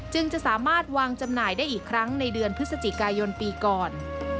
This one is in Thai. จึงจะสามารถวางจำหน่ายได้อีกครั้งในเดือนพฤศจิกายนปีก่อน